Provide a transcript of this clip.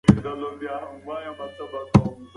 ماشوم باید له زیان رسوونکي توکیو ځان وساتي.